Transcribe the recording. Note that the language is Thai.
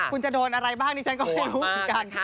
คุณจะโดนอะไรบ้างดิฉันก็ไม่รู้เหมือนกัน